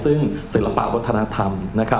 ซึ่งศิลปะพัฒนธรรม